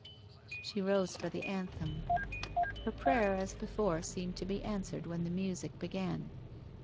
She rose for the anthem. Her prayer as before seemed to be answered when the music began.